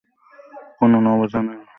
কোনো নভোযান এখনো ইউরোপায় অবতরণ করে নি।